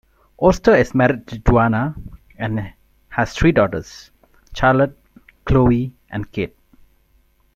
Oastler is married to Joanna and has three daughters, Charlotte, Chloe and Kate.